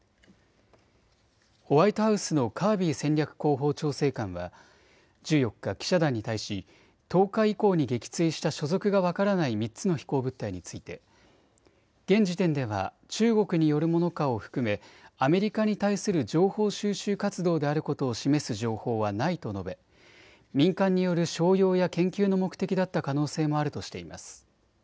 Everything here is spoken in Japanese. ホワイトハウスのカービー戦略広報調整官は１４日、記者団に対し１０日以降に撃墜した所属が分からない３つの飛行物体について現時点では中国によるものかを含めアメリカに対する情報収集活動であることを示す情報はないと述べ民間による商用や研究の目的だった可能性もあるとしています。